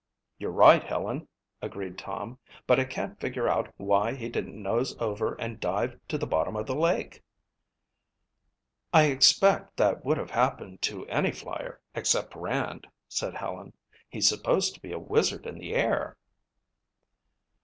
"You're right, Helen," agreed Tom. "But I can't figure out why he didn't nose over and dive to the bottom of the lake." "I expect that would have happened to any flyer except Rand," said Helen. "He's supposed to be a wizard in the air."